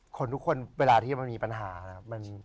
คนทุกคนเวลาที่มันมีปัญหานะครับ